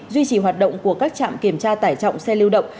duy trì hoạt động của các trạm kiểm tra tải trọng xe lưu động